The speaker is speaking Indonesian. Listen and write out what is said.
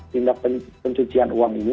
tindak pencucian uang ini